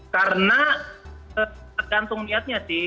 karena tergantung niatnya sih